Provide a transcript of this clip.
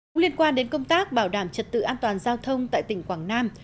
cũng liên quan đến công tác bảo đảm trật tự an toàn giao thông tại tỉnh quảng nam